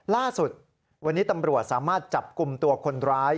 ล่าสุดวันนี้ตำรวจสามารถจับกลุ่มตัวคนร้าย